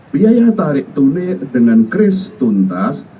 biaya tarik tunik dengan kris tuntas